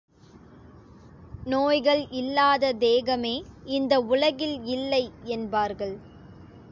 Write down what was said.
நோய்கள் இல்லாத தேகமே இந்த உலகில் இல்லை என்பார்கள்.